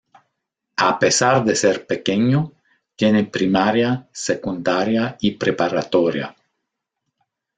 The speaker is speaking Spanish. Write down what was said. A pesar de ser pequeño, tiene primaria, secundaria y preparatoria.